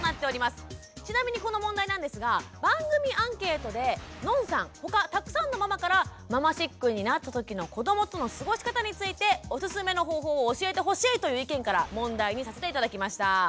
ちなみにこの問題なんですが番組アンケートでのんさん他たくさんのママからママシックになった時の子どもとの過ごし方についておすすめの方法を教えてほしいという意見から問題にさせて頂きました。